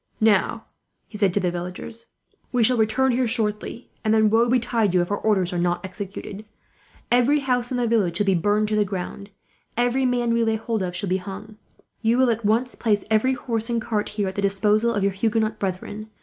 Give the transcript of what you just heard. "Now," he said to the villagers, "we shall return here shortly, and then woe betide you if our orders are not executed. Every house in the village shall be burned to the ground, every man we lay hold of shall be hung. "You will at once place every horse and cart here at the disposal of your Huguenot brethren.